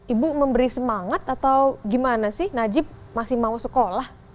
ibu memberi semangat atau gimana sih najib masih mau sekolah